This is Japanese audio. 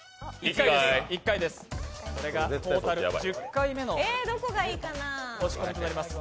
これがトータル１０回目の押し込みになります。